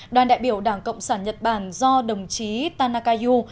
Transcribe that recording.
đoàn đại biểu đảng cộng sản nhật bản do đồng chí tanaka yu